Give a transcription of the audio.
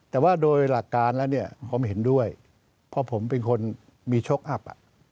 แต่ว่าโดยหลักการแล้วเนี่ยผมเห็นด้วยเพราะผมเป็นคนมีโชคอัพ